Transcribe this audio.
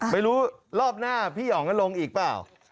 ไม่รู้รอบหน้าพี่อ๋องก็ลงอีกเปล่า